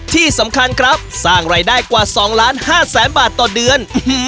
ที่สำคัญครับสร้างรายได้กว่า๒ล้าน๕แสนบาทต่อเดือน